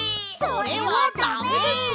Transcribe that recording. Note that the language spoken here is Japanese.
それはダメです！